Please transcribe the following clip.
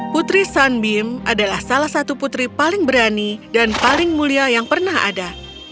putri sanbim adalah salah satu putri paling berani dan paling mulia yang pernah ada